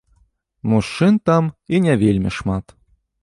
Мужчын там і не вельмі шмат.